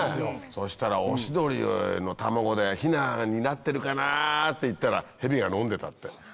そしたらオシドリの卵でヒナになってるかな？って行ったらヘビがのんでたって。